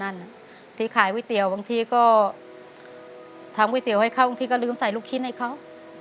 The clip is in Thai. นั่นที่ขายก๋วยเตี๋ยวบางทีก็ทำก๋วยเตี๋ยวให้เขาบางทีก็ลืมใส่ลูกชิ้นให้เขา